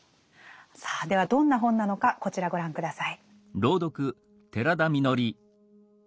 さあではどんな本なのかこちらご覧下さい。